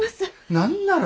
何なら？